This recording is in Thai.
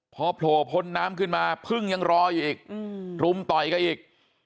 พอโผล่พ้นน้ำขึ้นมาพึ่งยังรออยู่อีกรุมต่อยกันอีก